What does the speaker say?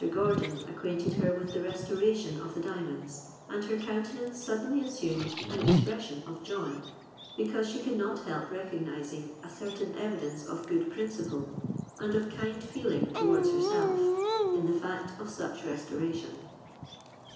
Gordon acquainted her with the restoration of the diamonds, and her countenance suddenly assumed an expression of joy, because she could not help recognising a certain evidence of good principle, and of kind feeling towards herself, in the fact of such restoration.